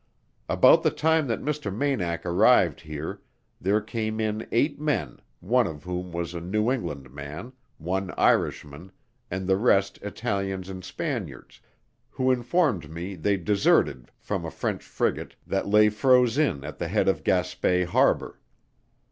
About the time that Mr. Manack arrived here, there came in eight men, one of whom was a New England man, one Irishman, and the rest Italians and Spaniards; who informed me they deserted from a French frigate that lay froze in at the head of Gaspe harbour.